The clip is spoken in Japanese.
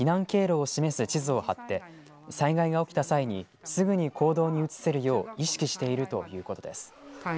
またそれぞれの部屋に避難経路を示す地図を貼って災害が起きた際にすぐに行動に移せるよう意識しているということです。